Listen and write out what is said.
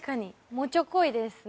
もちょこいですね。